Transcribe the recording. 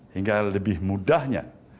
hingga lebih mudahnya